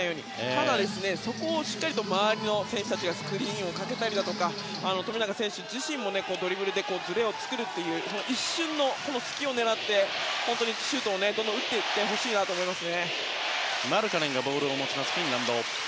ただ、そこをしっかり周りの選手たちがスクリーンをかけたり富永選手自身もドリブルでずれを作るという一瞬の隙を狙ってシュートをどんどん打っていってほしいと思います。